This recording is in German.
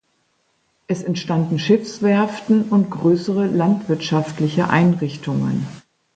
Es entstanden Schiffswerften und größere landwirtschaftliche Einrichtungen.